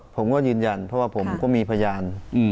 ผมก็ยืนยันเพราะว่าผมก็มีพยาน